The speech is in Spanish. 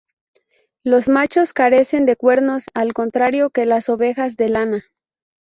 Los machos carecen de cuernos, al contrario que las ovejas de lana.